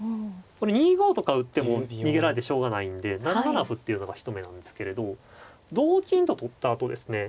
これ２五とか打っても逃げられてしょうがないんで７七歩っていうのが一目なんですけれど同金と取ったあとですね